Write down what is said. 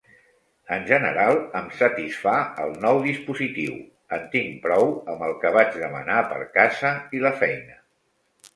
En general, em satisfà el nou dispositiu, en tinc prou amb el que vaig demanar per casa i la feina.